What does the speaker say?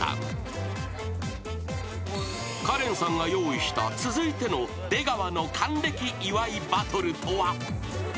［カレンさんが用意した続いての出川の還暦祝いバトルとは？］